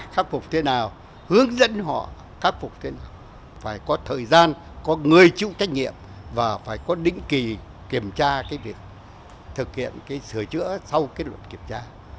khắc phục thế nào hướng dẫn họ khắc phục thế nào phải có thời gian có người chú trách nhiệm và phải có đỉnh kỳ kiểm tra cái điều thực hiện cái sửa chữa sau cái luận kiểm tra